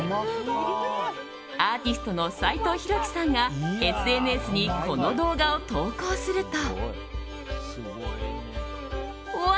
アーティストの斉藤洋樹さんがＳＮＳにこの動画を投稿すると。